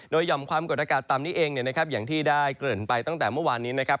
โดยห่อมความกดอากาศต่ำนี้เองอย่างที่ได้เกริ่นไปตั้งแต่เมื่อวานนี้นะครับ